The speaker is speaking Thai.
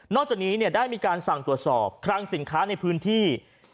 จากนี้ได้มีการสั่งตรวจสอบคลังสินค้าในพื้นที่